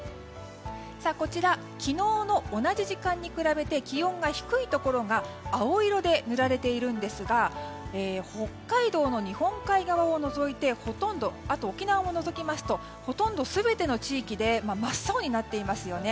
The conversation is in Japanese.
こちら、昨日の同じ時間に比べて気温が低いところが青色で塗られていますが北海道の日本海側を除いてあと沖縄を除きますとほとんど全ての地域で真っ青になっていますよね。